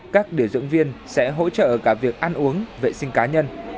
các điều dưỡng viên sẽ hỗ trợ cả việc ăn uống vệ sinh cá nhân